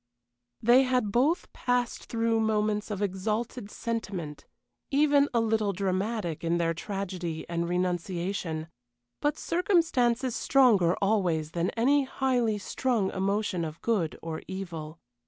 They had both passed through moments of exalted sentiment, even a little dramatic in their tragedy and renunciation, but circumstance is stronger always than any highly strung emotion of good or evil.